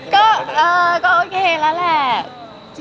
ก็โอเคแล้วแหละ